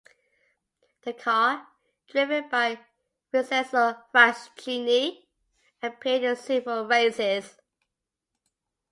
The car, driven by Vincenzo Fraschini, appeared in several races.